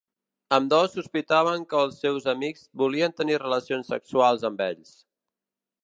Ambdós sospitaven que els seus amics volien tenir relacions sexuals amb ells.